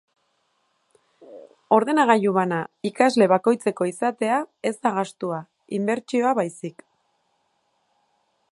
Ordenagailu bana ikasle bakoitzeko izatea ez da gastua, inbertsioa baizik.